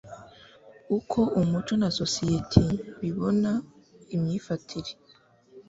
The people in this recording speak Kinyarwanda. uko umuco na sosiyeti bibona imyifatire